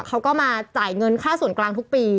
เขาก็มาจ่ายเงินค่าส่วนกลางทุกปี